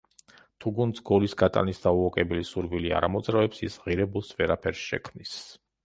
თუ გუნდს გოლის გატანის დაუოკებელი სურვილი არ ამოძრავებს, ის ღირებულს ვერაფერს შექმნის.